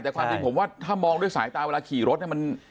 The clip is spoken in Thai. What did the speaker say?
แต่ความจริงผมว่าถ้ามองด้วยสายตาเวลาขี่รถเนี่ยมัน